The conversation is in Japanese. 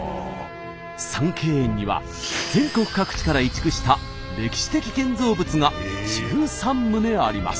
三溪園には全国各地から移築した歴史的建造物が１３棟あります。